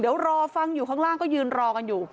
เดี๋ยวรอฟังอยู่ข้างล่างก็ยืนรอกันอยู่